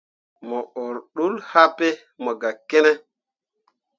Mo ur ḍul happe mo gah ki ne.